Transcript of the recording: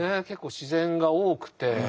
結構自然が多くて。